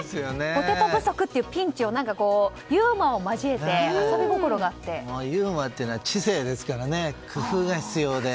ポテト不足というピンチをユーモアを交えてユーモアというのは知性ですからね工夫が必要で。